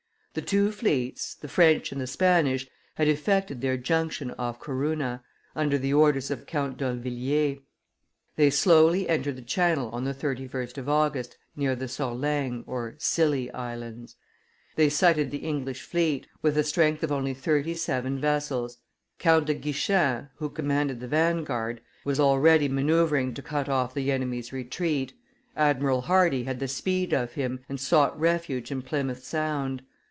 The two fleets, the French and the Spanish, had effected their junction off Corunna, under the orders of Count d'Orvilliers; they slowly entered the Channel on the 31st of August, near the Sorlingues (Scilly) Islands; they sighted the English fleet, with a strength of only thirty, seven vessels. Count de Guichen, who commanded the vanguard, was already manoeuvring to cut off the enemy's retreat; Admiral Hardy had the speed of him, and sought refuge in Plymouth Sound.